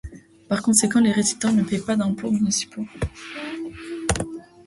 Par conséquent, les résidents ne paient pas d'impôts municipaux.